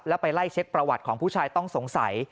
แล้วไปไล่เช็คประวัติของผู้ชายต้องสงสัย